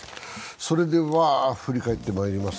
それでは振り返ってまいります。